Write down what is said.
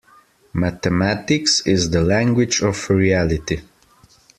Mathematics is the language of reality.